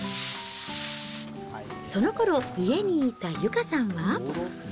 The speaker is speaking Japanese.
そのころ、家にいた由佳さんは。